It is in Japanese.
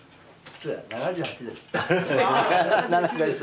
７８です。